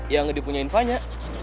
yang ngedipunyain fanya